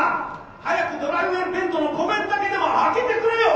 早くドライウェルベントの小弁だけでも開けてくれよ！」。